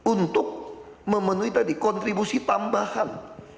untuk memenuhi tadi kontribusi tambahan